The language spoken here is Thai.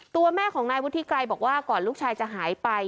ตัวแม่ของนายวุฒิไกรบอกว่าก่อนลูกชายจะหายไป